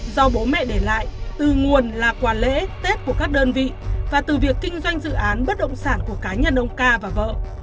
do bố mẹ để lại từ nguồn là quà lễ tết của các đơn vị và từ việc kinh doanh dự án bất động sản của cá nhân ông ca và vợ